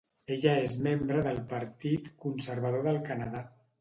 Ella és membre del Partit Conservador del Canadà.